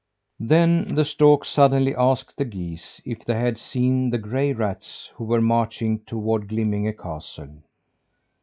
Then the stork suddenly asked the geese if they had seen the gray rats who were marching toward Glimminge castle.